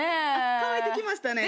乾いてきましたね。